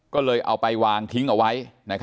ก็เลยเอาไปวางทิ้งเอาไว้